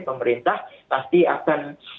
pemerintah pasti akan